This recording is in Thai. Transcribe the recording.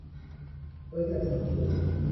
พนักงานสอบสวน